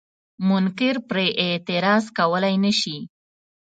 منکر پرې اعتراض کولای نشي.